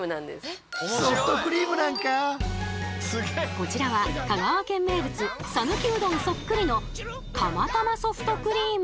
こちらは香川県名物さぬきうどんそっくりのかまたまソフトクリーム。